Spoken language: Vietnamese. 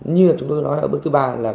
như chúng tôi nói ở bước thứ ba